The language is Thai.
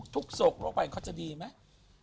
ทุกศพโลกภัยเขาจะดีไหม